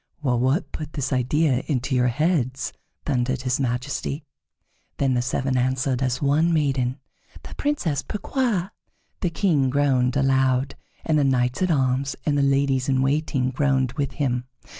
"Wh what put this idea into your heads?" thundered his Majesty. Then the seven answered as one maiden: "The Princess Pourquoi." The King groaned aloud, and the knights at arms and the ladies in waiting groaned with him.